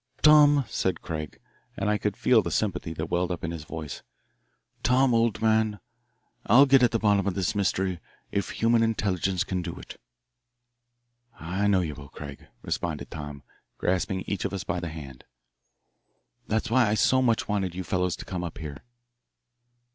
"Tom," said Craig, and I could feel the sympathy that welled up in his voice, "Tom, old man, I'll get at the bottom of this mystery if human intelligence can do it." "I know you will, Craig," responded Tom, grasping each of us by the hand. "That's why I so much wanted you fellows to come up here."